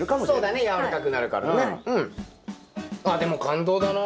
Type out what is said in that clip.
ああでも感動だな。